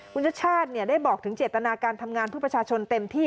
คุณชาติชาติได้บอกถึงเจตนาการทำงานเพื่อประชาชนเต็มที่